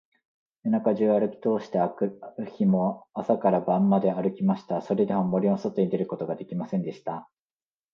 夜中じゅうあるきとおして、あくる日も朝から晩まであるきました。それでも、森のそとに出ることができませんでした。